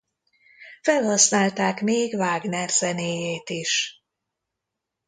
Felhasználták még Wagner zenéjét is.